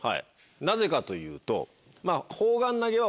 なぜかというと。